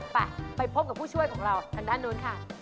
ไปไปพบกับผู้ช่วยของเราทางด้านนู้นค่ะ